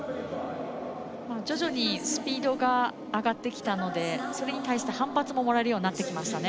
徐々にスピードが上がってきたのでそれに対して反発ももらえるようになってきましたね。